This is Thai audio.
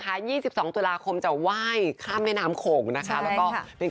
ก็มีบอกว่าแบบถ้าอันไหนไม่จำเป็น